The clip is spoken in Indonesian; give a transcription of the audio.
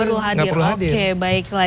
perlu hadir oke baiklah